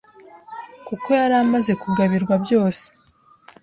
kuko yari amaze kugabirwa byose